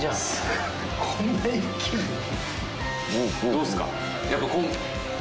どうっすか？